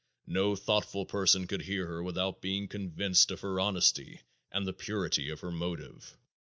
No thoughtful person could hear her without being convinced of her honesty and the purity of her motive.